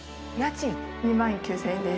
２万９，０００円です。